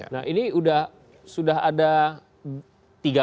nah ini sudah ada